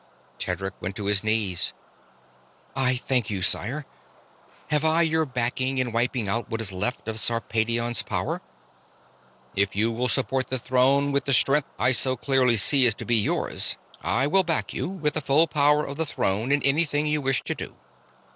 Tedric went to his knees. "I thank you, sire. Have I your backing in wiping out what is left of Sarpedion's power?" "If you will support the Throne with the strength I so clearly see is to be yours, I will back you, with the full power of the Throne, in anything you wish to do."